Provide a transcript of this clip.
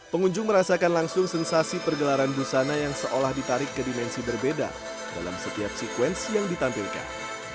pergelaran busana yang seolah ditarik ke dimensi berbeda dalam setiap sekuensi yang ditampilkan